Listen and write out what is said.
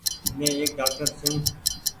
مين ايڪ ڊآڪٽر ڇون ۔